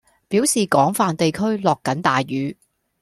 表示廣泛地區落緊大雨